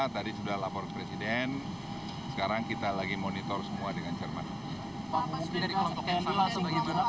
tadi sudah lapor presiden sekarang kita lagi monitor semua dengan cermat